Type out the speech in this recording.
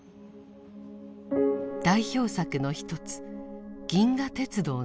代表作の一つ「銀河鉄道の夜」。